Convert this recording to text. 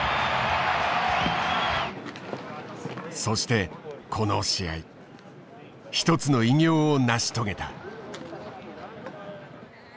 そしてこの試合１つの偉業を成し遂げた。